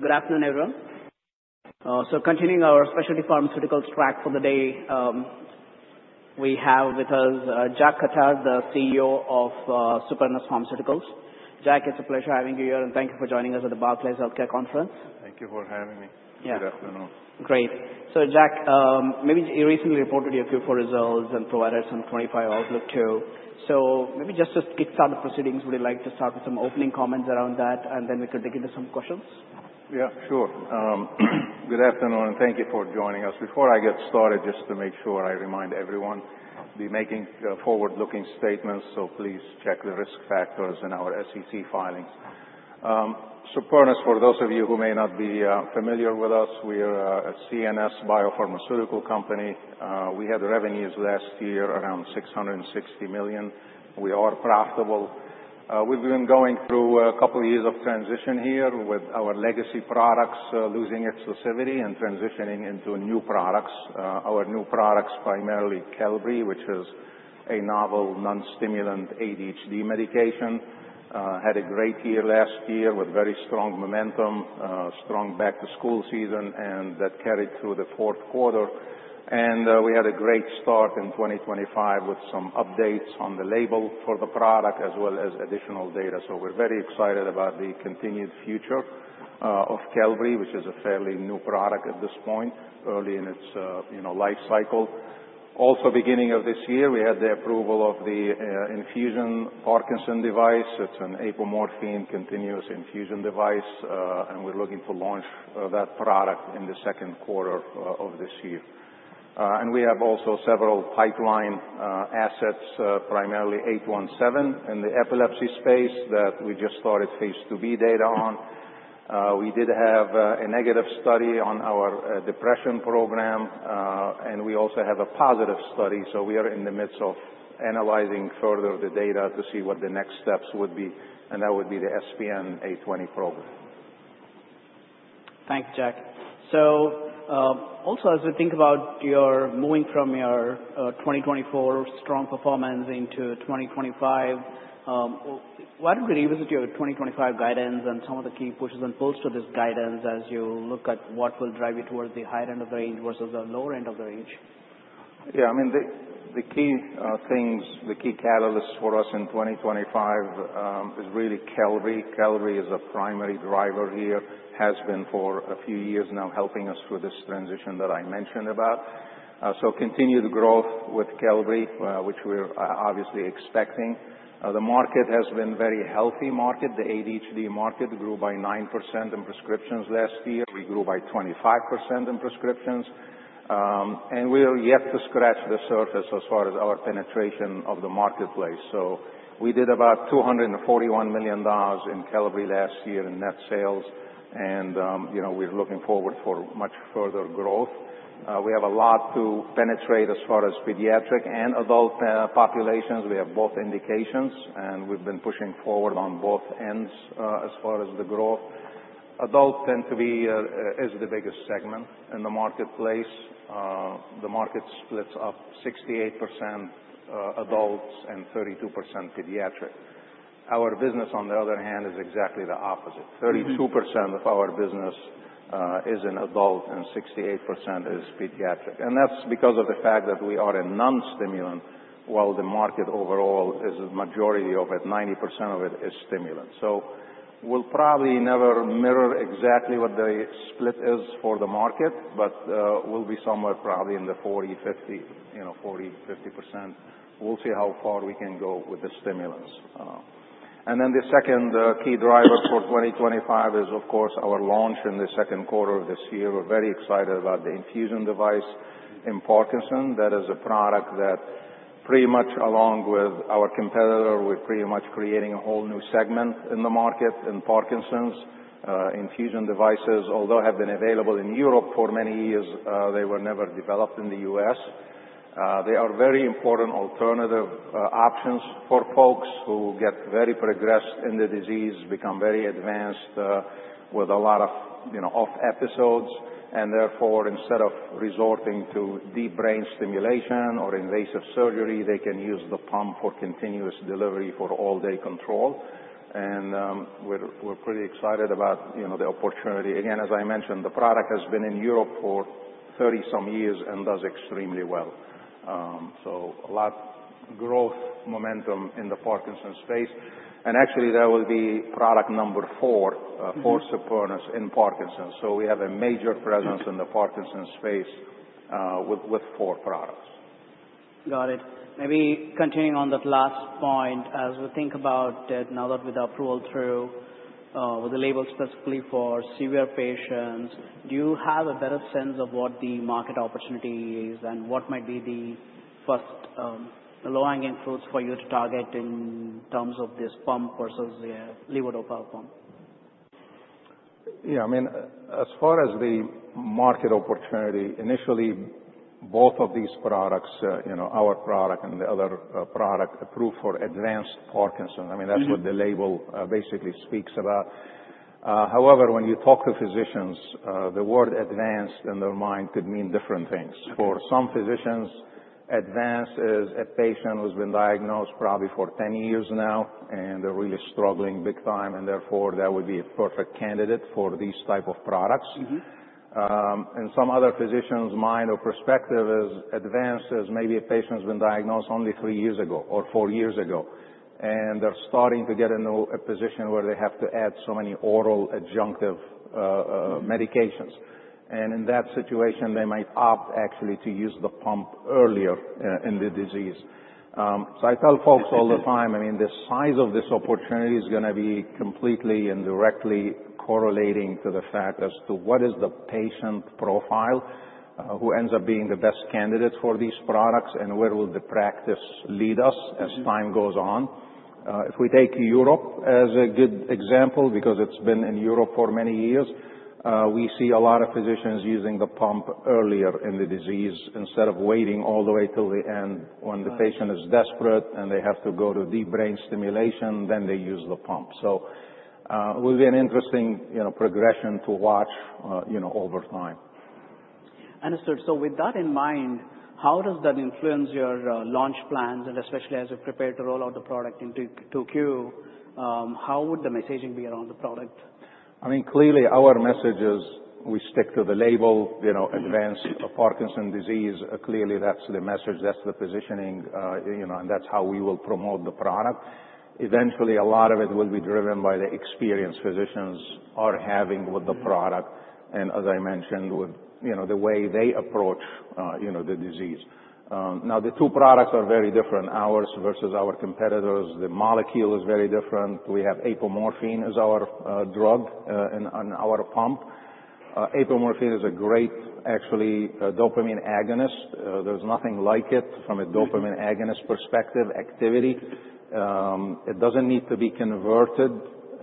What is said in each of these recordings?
Good afternoon, everyone. Continuing our specialty pharmaceuticals track for the day, we have with us Jack Khattar, the CEO of Supernus Pharmaceuticals. Jack, it's a pleasure having you here, and thank you for joining us at the Barclays Healthcare Conference. Thank you for having me. Yeah. Good afternoon. Great. Jack, maybe you recently reported your Q4 results and provided some 2025 outlook too. Maybe just to kickstart the proceedings, would you like to start with some opening comments around that, and then we could dig into some questions? Yeah, sure. Good afternoon, and thank you for joining us. Before I get started, just to make sure I remind everyone, be making forward-looking statements, so please check the risk factors in our SEC filings. Supernus, for those of you who may not be familiar with us, we are a CNS biopharmaceutical company. We had revenues last year around $660 million. We are profitable. We've been going through a couple of years of transition here with our legacy products losing exclusivity and transitioning into new products. Our new products, primarily Qelbree, which is a novel non-stimulant ADHD medication, had a great year last year with very strong momentum, strong back-to-school season, and that carried through the fourth quarter. We had a great start in 2025 with some updates on the label for the product as well as additional data. We are very excited about the continued future of Qelbree, which is a fairly new product at this point, early in its life cycle. Also, beginning of this year, we had the approval of the infusion Parkinson device. It is an apomorphine continuous infusion device, and we are looking to launch that product in the second quarter of this year. We have also several pipeline assets, primarily 817 in the epilepsy space that we just started phase 2b data on. We did have a negative study on our depression program, and we also have a positive study. We are in the midst of analyzing further the data to see what the next steps would be, and that would be the SPN-820 program. Thanks, Jack. As we think about your moving from your 2024 strong performance into 2025, why don't we revisit your 2025 guidance and some of the key pushes and pulls to this guidance as you look at what will drive you towards the higher end of the range versus the lower end of the range? Yeah, I mean, the key things, the key catalysts for us in 2025 is really Qelbree. Qelbree is a primary driver here, has been for a few years now helping us through this transition that I mentioned about. Continued growth with Qelbree, which we're obviously expecting. The market has been a very healthy market. The ADHD market grew by 9% in prescriptions last year. We grew by 25% in prescriptions. We are yet to scratch the surface as far as our penetration of the marketplace. We did about $241 million in Qelbree last year in net sales, and we're looking forward for much further growth. We have a lot to penetrate as far as pediatric and adult populations. We have both indications, and we've been pushing forward on both ends as far as the growth. Adults tend to be the biggest segment in the marketplace. The market splits up 68% adults and 32% pediatric. Our business, on the other hand, is exactly the opposite. 32% of our business is in adults and 68% is pediatric. That is because of the fact that we are a non-stimulant, while the market overall is a majority of it, 90% of it is stimulant. We will probably never mirror exactly what the split is for the market, but we will be somewhere probably in the 40-50, 40%-50%. We will see how far we can go with the stimulants. The second key driver for 2025 is, of course, our launch in the second quarter of this year. We are very excited about the infusion device in Parkinson. That is a product that pretty much, along with our competitor, we are pretty much creating a whole new segment in the market in Parkinson's infusion devices. Although they have been available in Europe for many years, they were never developed in the U.S. They are very important alternative options for folks who get very progressed in the disease, become very advanced with a lot of off episodes, and therefore, instead of resorting to deep brain stimulation or invasive surgery, they can use the pump for continuous delivery for all-day control. We are pretty excited about the opportunity. Again, as I mentioned, the product has been in Europe for 30 some years and does extremely well. A lot of growth momentum in the Parkinson's space. Actually, that will be product number four for Supernus in Parkinson's. We have a major presence in the Parkinson's space with four products. Got it. Maybe continuing on that last point, as we think about it now that we've got approval through with the label specifically for severe patients, do you have a better sense of what the market opportunity is and what might be the first low-hanging fruits for you to target in terms of this pump versus the levodopa pump? Yeah, I mean, as far as the market opportunity, initially, both of these products, our product and the other product, approved for advanced Parkinson's. I mean, that's what the label basically speaks about. However, when you talk to physicians, the word advanced in their mind could mean different things. For some physicians, advanced is a patient who's been diagnosed probably for 10 years now and they're really struggling big time, and therefore, that would be a perfect candidate for these types of products. In some other physicians' mind or perspective, advanced is maybe a patient who's been diagnosed only three years ago or four years ago, and they're starting to get into a position where they have to add so many oral adjunctive medications. In that situation, they might opt actually to use the pump earlier in the disease. I tell folks all the time, I mean, the size of this opportunity is going to be completely and directly correlating to the fact as to what is the patient profile who ends up being the best candidate for these products and where will the practice lead us as time goes on. If we take Europe as a good example, because it's been in Europe for many years, we see a lot of physicians using the pump earlier in the disease instead of waiting all the way till the end when the patient is desperate and they have to go to deep brain stimulation, then they use the pump. It will be an interesting progression to watch over time. Understood. With that in mind, how does that influence your launch plans? Especially as you prepare to roll out the product into Q2, how would the messaging be around the product? I mean, clearly, our message is we stick to the label, advanced Parkinson's disease. Clearly, that's the message. That's the positioning, and that's how we will promote the product. Eventually, a lot of it will be driven by the experience physicians are having with the product and, as I mentioned, with the way they approach the disease. Now, the two products are very different. Ours versus our competitors, the molecule is very different. We have apomorphine as our drug in our pump. Apomorphine is a great, actually, dopamine agonist. There's nothing like it from a dopamine agonist perspective activity. It doesn't need to be converted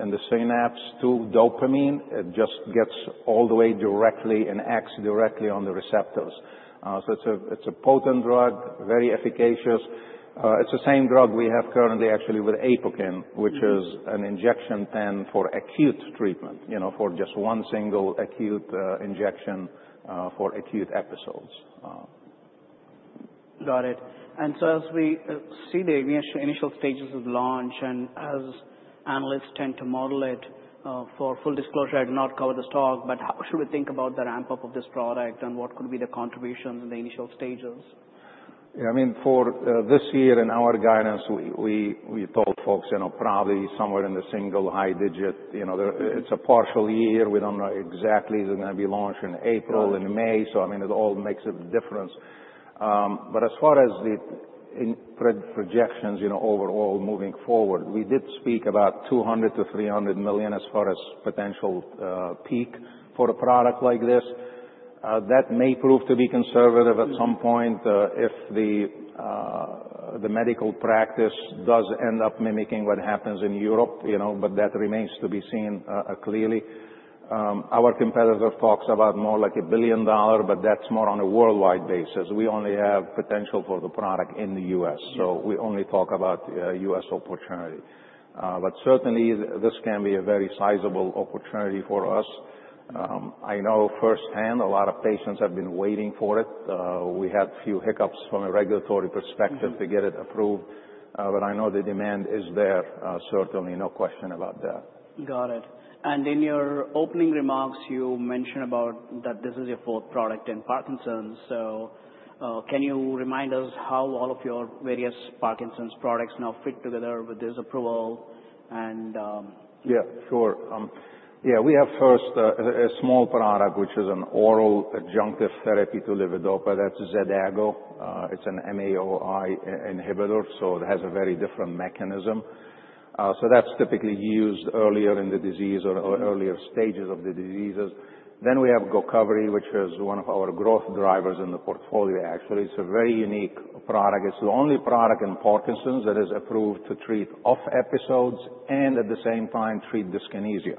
in the synapse to dopamine. It just gets all the way directly and acts directly on the receptors. It is a potent drug, very efficacious. It's the same drug we have currently, actually, with Apokyn, which is an injection pen for acute treatment, for just one single acute injection for acute episodes. Got it. As we see the initial stages of launch and as analysts tend to model it, for full disclosure, I did not cover this talk, but how should we think about the ramp-up of this product and what could be the contributions in the initial stages? Yeah, I mean, for this year in our guidance, we told folks probably somewhere in the single high digit. It's a partial year. We don't know exactly. It's going to be launched in April, in May. I mean, it all makes a difference. As far as the projections overall moving forward, we did speak about $200 million-$300 million as far as potential peak for a product like this. That may prove to be conservative at some point if the medical practice does end up mimicking what happens in Europe, but that remains to be seen clearly. Our competitor talks about more like $1 billion, but that's more on a worldwide basis. We only have potential for the product in the U.S. We only talk about U.S. opportunity. Certainly, this can be a very sizable opportunity for us. I know firsthand a lot of patients have been waiting for it. We had a few hiccups from a regulatory perspective to get it approved, but I know the demand is there, certainly no question about that. Got it. In your opening remarks, you mentioned that this is your fourth product in Parkinson's. Can you remind us how all of your various Parkinson's products now fit together with this approval? Yeah, sure. Yeah, we have first a small product, which is an oral adjunctive therapy to levodopa. That's Xadago. It's an MAOI inhibitor, so it has a very different mechanism. That's typically used earlier in the disease or earlier stages of the diseases. We have Gocovri, which is one of our growth drivers in the portfolio, actually. It's a very unique product. It's the only product in Parkinson's that is approved to treat off episodes and at the same time treat dyskinesia.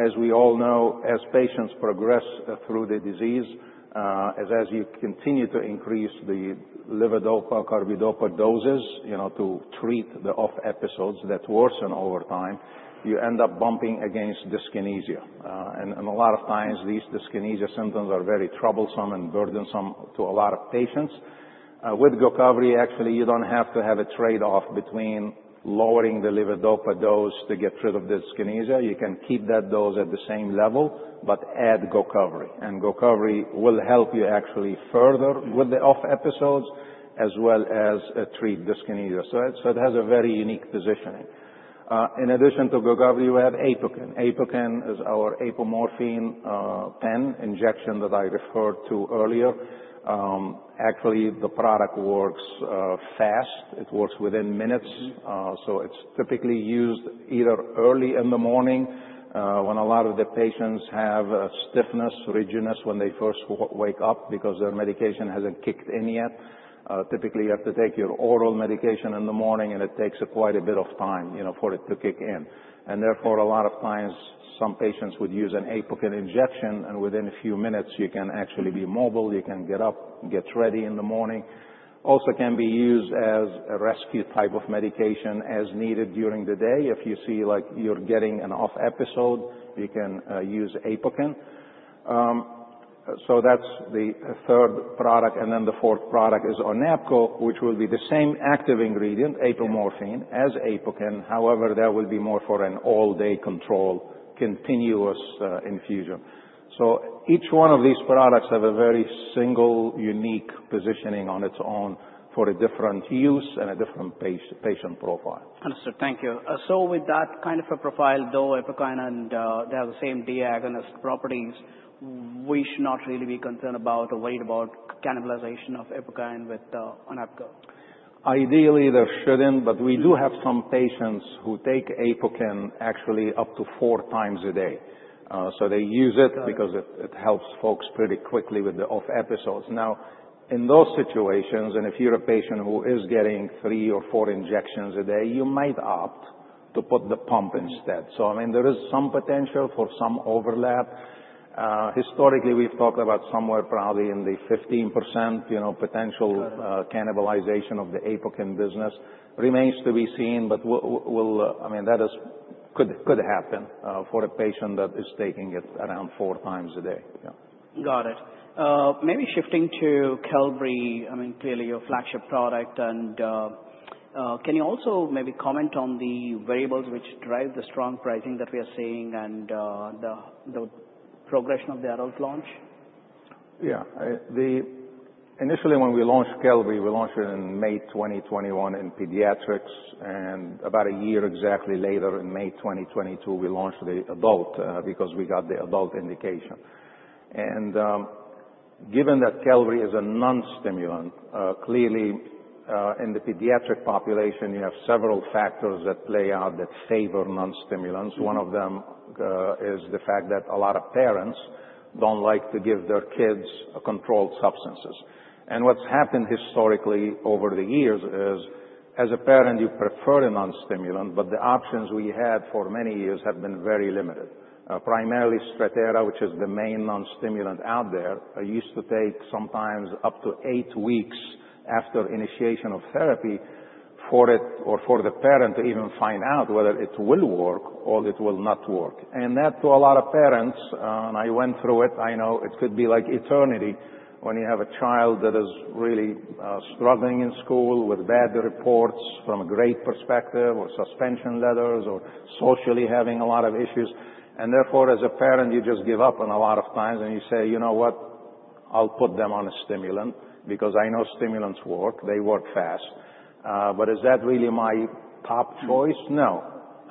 As we all know, as patients progress through the disease, as you continue to increase the levodopa, carbidopa doses to treat the off episodes that worsen over time, you end up bumping against dyskinesia. A lot of times, these dyskinesia symptoms are very troublesome and burdensome to a lot of patients. With Gocovri, actually, you don't have to have a trade-off between lowering the levodopa dose to get rid of the dyskinesia. You can keep that dose at the same level, but add Gocovri. Gocovri will help you actually further with the off episodes as well as treat dyskinesia. It has a very unique positioning. In addition to Gocovri, we have Apokyn. Apokyn is our apomorphine pen injection that I referred to earlier. Actually, the product works fast. It works within minutes. It is typically used either early in the morning when a lot of the patients have stiffness, rigidness when they first wake up because their medication hasn't kicked in yet. Typically, you have to take your oral medication in the morning, and it takes quite a bit of time for it to kick in. Therefore, a lot of times, some patients would use an Apokyn injection, and within a few minutes, you can actually be mobile. You can get up, get ready in the morning. Also can be used as a rescue type of medication as needed during the day. If you see like you're getting an off episode, you can use Apokyn. That's the third product. The fourth product is SPN-830, which will be the same active ingredient, apomorphine, as Apokyn. However, that will be more for an all-day control, continuous infusion. Each one of these products has a very single, unique positioning on its own for a different use and a different patient profile. Understood. Thank you. With that kind of a profile, though, Apokyn and they have the same D-agonist properties, we should not really be concerned about or worried about cannibalization of Apokyn with SPN-830? Ideally, there shouldn't, but we do have some patients who take Apokyn actually up to four times a day. They use it because it helps folks pretty quickly with the off episodes. Now, in those situations, if you're a patient who is getting three or four injections a day, you might opt to put the pump instead. I mean, there is some potential for some overlap. Historically, we've talked about somewhere probably in the 15% potential cannibalization of the Apokyn business. Remains to be seen, but I mean, that could happen for a patient that is taking it around four times a day. Got it. Maybe shifting to Qelbree, I mean, clearly your flagship product. Can you also maybe comment on the variables which drive the strong pricing that we are seeing and the progression of the adult launch? Yeah. Initially, when we launched Qelbree, we launched it in May 2021 in pediatrics. About a year exactly later, in May 2022, we launched the adult because we got the adult indication. Given that Qelbree is a non-stimulant, clearly in the pediatric population, you have several factors that play out that favor non-stimulants. One of them is the fact that a lot of parents do not like to give their kids controlled substances. What's happened historically over the years is, as a parent, you prefer a non-stimulant, but the options we had for many years have been very limited. Primarily, Strattera, which is the main non-stimulant out there, used to take sometimes up to eight weeks after initiation of therapy for it or for the parent to even find out whether it will work or it will not work. To a lot of parents, and I went through it, I know it could be like eternity when you have a child that is really struggling in school with bad reports from a grade perspective or suspension letters or socially having a lot of issues. Therefore, as a parent, you just give up a lot of times and you say, "You know what? I'll put them on a stimulant because I know stimulants work. They work fast." Is that really my top choice? No.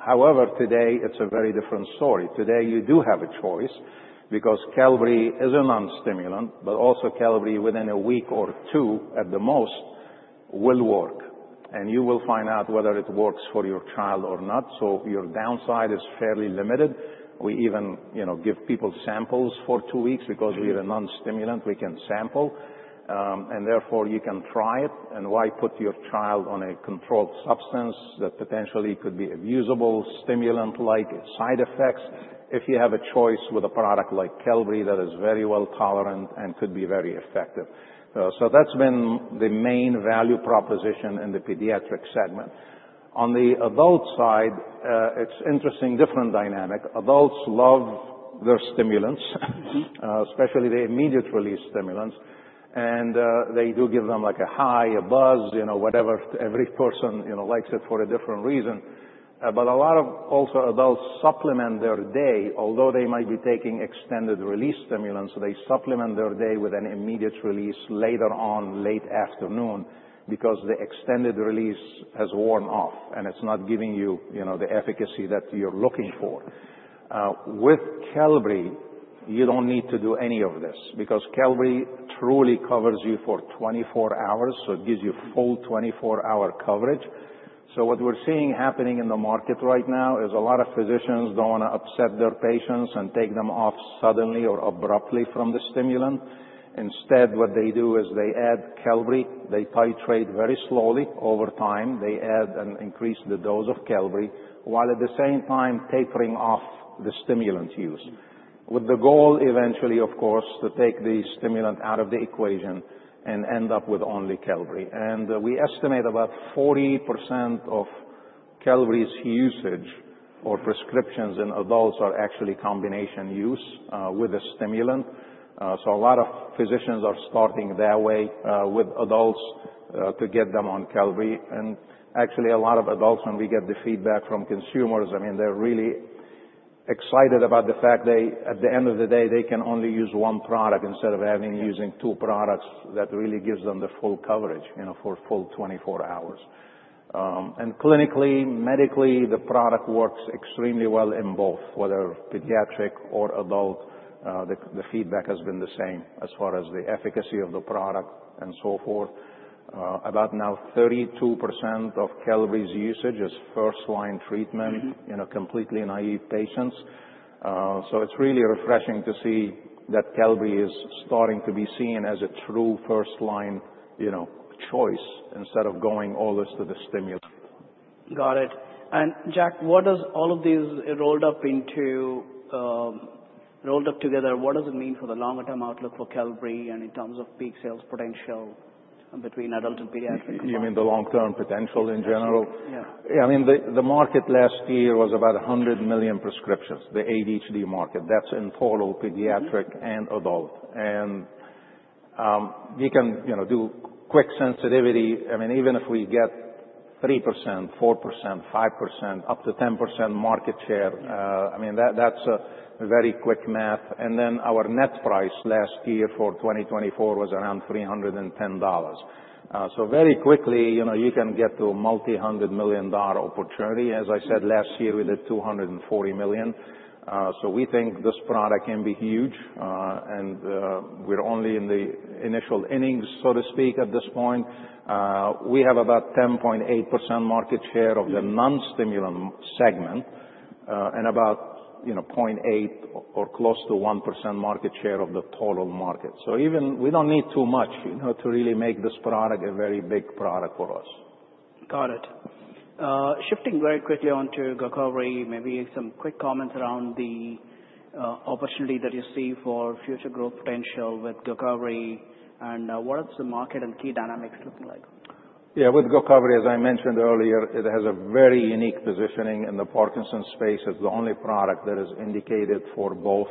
However, today, it's a very different story. Today, you do have a choice because Qelbree is a non-stimulant, but also Qelbree, within a week or two at the most, will work. You will find out whether it works for your child or not. Your downside is fairly limited. We even give people samples for two weeks because we are a non-stimulant. We can sample. You can try it. Why put your child on a controlled substance that potentially could be a usable stimulant-like side effects if you have a choice with a product like Qelbree that is very well tolerated and could be very effective? That has been the main value proposition in the pediatric segment. On the adult side, it's interesting, different dynamic. Adults love their stimulants, especially the immediate release stimulants. They do give them like a high, a buzz, whatever. Every person likes it for a different reason. A lot of also adults supplement their day, although they might be taking extended release stimulants, they supplement their day with an immediate release later on, late afternoon, because the extended release has worn off and it's not giving you the efficacy that you're looking for. With Qelbree, you don't need to do any of this because Qelbree truly covers you for 24 hours. It gives you full 24-hour coverage. What we're seeing happening in the market right now is a lot of physicians don't want to upset their patients and take them off suddenly or abruptly from the stimulant. Instead, what they do is they add Qelbree. They titrate very slowly over time. They add and increase the dose of Qelbree while at the same time tapering off the stimulant use, with the goal eventually, of course, to take the stimulant out of the equation and end up with only Qelbree. We estimate about 40% of Qelbree's usage or prescriptions in adults are actually combination use with a stimulant. A lot of physicians are starting that way with adults to get them on Qelbree. Actually, a lot of adults, when we get the feedback from consumers, I mean, they're really excited about the fact that at the end of the day, they can only use one product instead of having using two products. That really gives them the full coverage for full 24 hours. Clinically, medically, the product works extremely well in both, whether pediatric or adult. The feedback has been the same as far as the efficacy of the product and so forth. About now, 32% of Qelbree's usage is first-line treatment in completely naive patients. It is really refreshing to see that Qelbree is starting to be seen as a true first-line choice instead of going always to the stimulant. Got it. Jack, what does all of these rolled up together, what does it mean for the longer-term outlook for Qelbree and in terms of peak sales potential between adult and pediatric? You mean the long-term potential in general? Yeah. I mean, the market last year was about 100 million prescriptions, the ADHD market. That's in total, pediatric and adult. We can do quick sensitivity. I mean, even if we get 3%, 4%, 5%, up to 10% market share, I mean, that's a very quick math. Our net price last year for 2024 was around $310. Very quickly, you can get to a multi-hundred million dollar opportunity. As I said last year, we did $240 million. We think this product can be huge. We're only in the initial innings, so to speak, at this point. We have about 10.8% market share of the non-stimulant segment and about 0.8% or close to 1% market share of the total market. We don't need too much to really make this product a very big product for us. Got it. Shifting very quickly onto Gocovri, maybe some quick comments around the opportunity that you see for future growth potential with Gocovri. What is the market and key dynamics looking like? Yeah, with Gocovri, as I mentioned earlier, it has a very unique positioning in the Parkinson's space. It's the only product that is indicated for both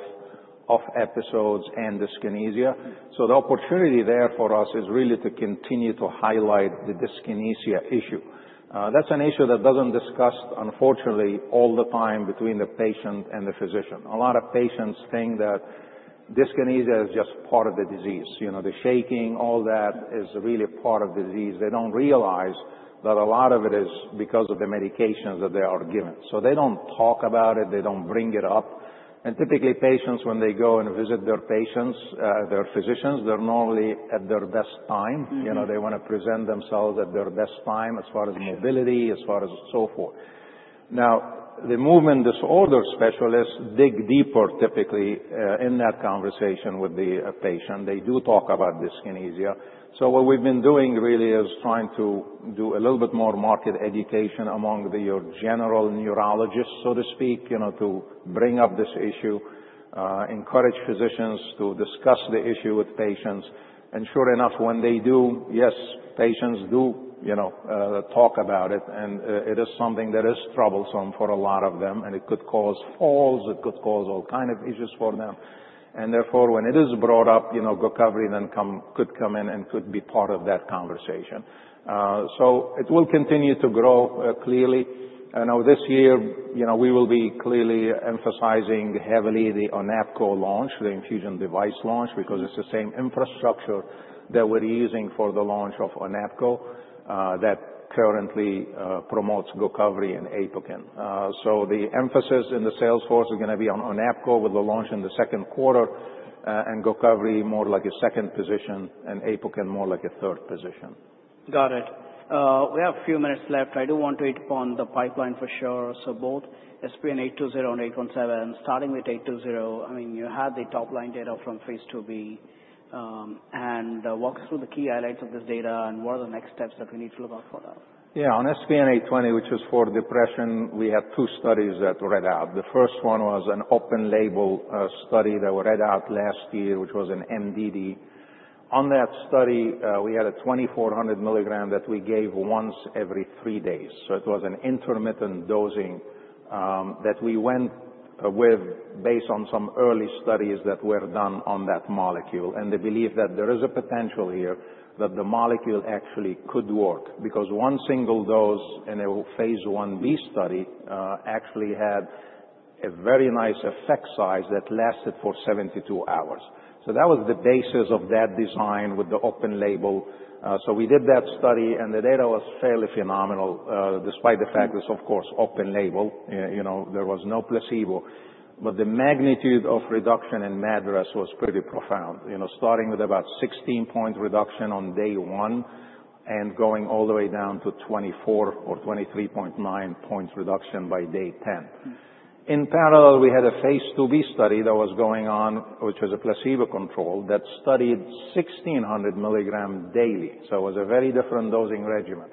off episodes and dyskinesia. The opportunity there for us is really to continue to highlight the dyskinesia issue. That's an issue that doesn't get discussed, unfortunately, all the time between the patient and the physician. A lot of patients think that dyskinesia is just part of the disease. The shaking, all that is really part of the disease. They don't realize that a lot of it is because of the medications that they are given. They don't talk about it. They don't bring it up. Typically, patients, when they go and visit their physicians, they're normally at their best time. They want to present themselves at their best time as far as mobility, as far as so forth. Now, the movement disorder specialists dig deeper typically in that conversation with the patient. They do talk about dyskinesia. What we've been doing really is trying to do a little bit more market education among your general neurologists, so to speak, to bring up this issue, encourage physicians to discuss the issue with patients. Sure enough, when they do, yes, patients do talk about it. It is something that is troublesome for a lot of them. It could cause falls. It could cause all kinds of issues for them. Therefore, when it is brought up, Gocovri could come in and could be part of that conversation. It will continue to grow clearly. This year, we will be clearly emphasizing heavily the Onapco launch, the infusion device launch, because it's the same infrastructure that we're using for the launch of Onapco that currently promotes Gocovri and Apokyn. The emphasis in the sales force is going to be on Onapco with the launch in the second quarter and Gocovri more like a second position and Apokyn more like a third position. Got it. We have a few minutes left. I do want to hit upon the pipeline for sure. So both SPN-820 and 817, starting with 820, I mean, you had the top-line data from phase 2b and walk us through the key highlights of this data and what are the next steps that we need to look out for now? Yeah, on SPN-820, which was for depression, we had two studies that were read out. The first one was an open-label study that were read out last year, which was in MDD. On that study, we had a 2,400 milligram that we gave once every three days. It was an intermittent dosing that we went with based on some early studies that were done on that molecule. They believe that there is a potential here that the molecule actually could work because one single dose in a phase 1b study actually had a very nice effect size that lasted for 72 hours. That was the basis of that design with the open label. We did that study, and the data was fairly phenomenal despite the fact that it's, of course, open label. There was no placebo. The magnitude of reduction in MADRS was pretty profound, starting with about 16-point reduction on day one and going all the way down to 24 or 23.9 points reduction by day 10. In parallel, we had a Phase 2b study that was going on, which was a placebo control that studied 1600 milligram daily. It was a very different dosing regimen.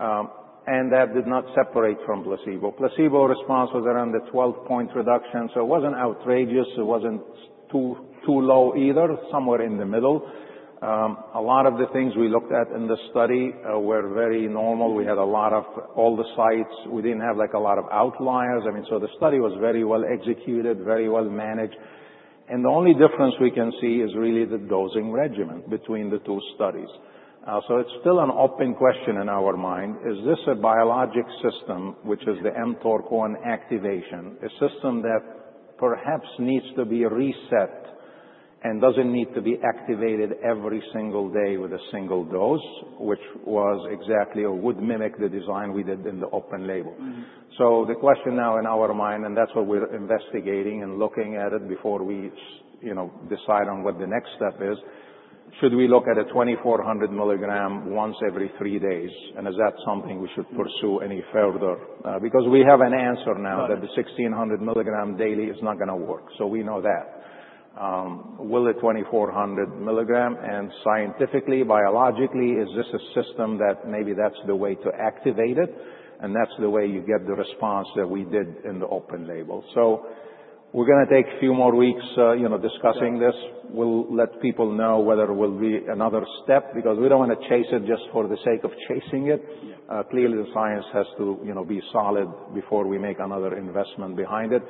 That did not separate from placebo. Placebo response was around the 12-point reduction. It was not outrageous. It was not too low either, somewhere in the middle. A lot of the things we looked at in the study were very normal. We had a lot of all the sites. We did not have a lot of outliers. I mean, the study was very well executed, very well managed. The only difference we can see is really the dosing regimen between the two studies. It's still an open question in our mind. Is this a biologic system, which is the mTORC1 activation, a system that perhaps needs to be reset and doesn't need to be activated every single day with a single dose, which was exactly or would mimic the design we did in the open label? The question now in our mind, and that's what we're investigating and looking at before we decide on what the next step is, should we look at a 2,400 milligram once every three days? Is that something we should pursue any further? We have an answer now that the 1,600 milligram daily is not going to work. We know that. Will it 2,400 milligram? Scientifically, biologically, is this a system that maybe that's the way to activate it? That is the way you get the response that we did in the open label. We are going to take a few more weeks discussing this. We will let people know whether it will be another step because we do not want to chase it just for the sake of chasing it. Clearly, the science has to be solid before we make another investment behind it.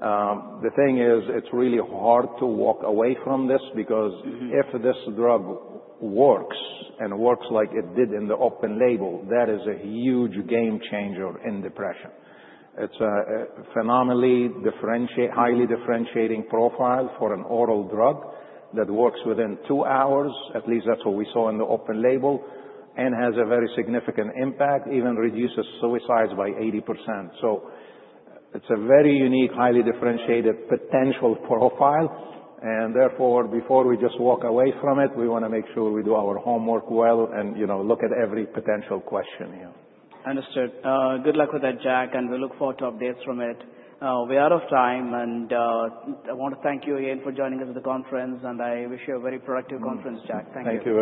The thing is, it is really hard to walk away from this because if this drug works and works like it did in the open label, that is a huge game changer in depression. It is a phenomenally highly differentiating profile for an oral drug that works within two hours. At least that is what we saw in the open label and has a very significant impact, even reduces suicides by 80%. It is a very unique, highly differentiated potential profile. Therefore, before we just walk away from it, we want to make sure we do our homework well and look at every potential question here. Understood. Good luck with that, Jack. We look forward to updates from it. We are out of time. I want to thank you again for joining us at the conference. I wish you a very productive conference, Jack. Thank you.